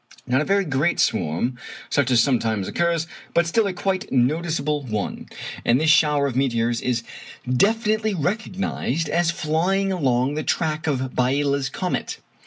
Not a very great swarm, such as sometimes occurs, but still a quite noticeable one; and this shower of meteors is definitely recognized as flying along the track of Biela's comet.